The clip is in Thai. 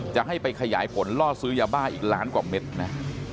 จะให้ไปขยายผลล่อซื้อยาบ้าอีกล้านกว่าเม็ดนะ